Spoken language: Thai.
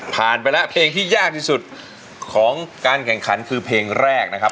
ไปแล้วเพลงที่ยากที่สุดของการแข่งขันคือเพลงแรกนะครับ